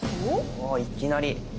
おいきなり。